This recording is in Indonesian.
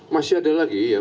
masih ada lagi ya